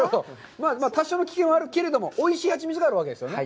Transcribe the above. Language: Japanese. まあ、多少の危険はあるけれどもおいしいハチミツがあるわけですよね。